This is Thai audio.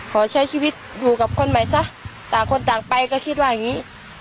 ขอใช้ชีวิตอยู่กับคนใหม่ซะต่างคนต่างไปก็คิดว่าอย่างนี้